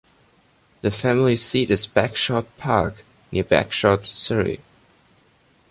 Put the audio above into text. The family seat is Bagshot Park, near Bagshot, Surrey.